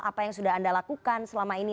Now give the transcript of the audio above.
apa yang sudah anda lakukan selama ini